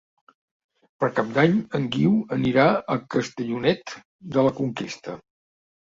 Per Cap d'Any en Guiu anirà a Castellonet de la Conquesta.